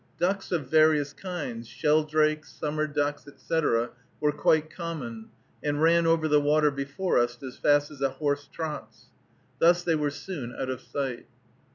Ducks of various kinds sheldrake, summer ducks, etc. were quite common, and ran over the water before us as fast as a horse trots. Thus they were soon out of sight.